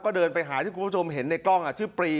ก็เดินไปหาที่คุณผู้ชมเห็นในกล้องชื่อปรี